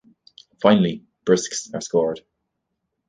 Finally, brisques are scored.